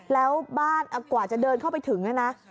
แล้วบ้านกว่าจะเดินเข้าไปถึงเนี่ยนะ